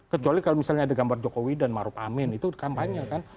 kecuali kalau misalnya ada gambar jokowi dan maruf amin itu kampanye kan